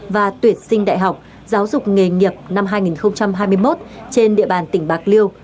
và tuyển sinh đại học giáo dục nghề nghiệp năm hai nghìn hai mươi một trên địa bàn tỉnh bạc liêu